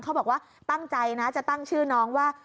เพราะตั้งใจนะจะตั้งชื่อน้องว่า